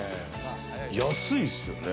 安いっすよね。